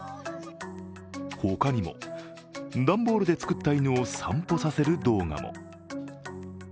ほかにも、段ボールで作った犬を散歩させる動画も。